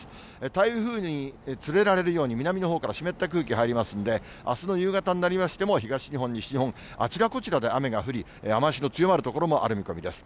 台風に連れられるように、南のほうから湿った空気が入りますんで、あすの夕方になりましても、東日本、西日本、あちらこちらで雨が降り、雨足の強まる所もある見込みです。